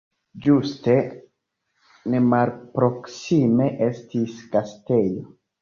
Ĝuste nemalproksime estis gastejo.